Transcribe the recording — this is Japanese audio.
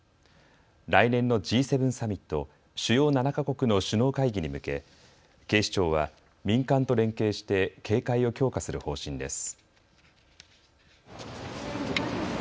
来年のＧ７サミット・主要７か国の首脳会議に向け警視庁は民間と連携して警戒を強化する方針です。